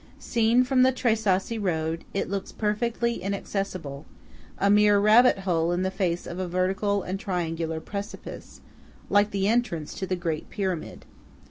Seen from the Tre Sassi road, it looks perfectly inaccessible–a mere rabbit hole in the face of a vertical and triangular precipice, like the entrance to the Great Pyramid.